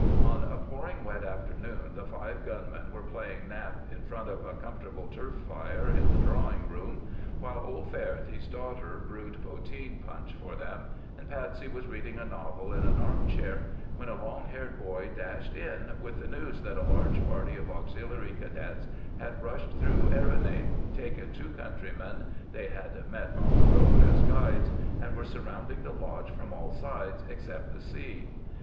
On a pouring wet afternoon the five gunmen were playing nap in front of a comfortable turf fire in the drawing room, while old Faherty's daughter brewed poteen punch for them, and Patsy was reading a novel in an arm chair, when a long haired boy dashed in with the news that a large party of Auxiliary Cadets had rushed through Errinane, taken two countrymen they had met on the road as guides, and were surrounding the lodge from all sides except the sea.